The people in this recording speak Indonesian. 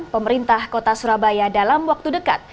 pemerintah kota surabaya dalam waktu dekat